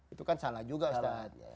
itu kan salah juga ustadz